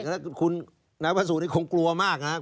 แล้วคุณนายว่าสูตรนี้คงกลัวมากนะครับ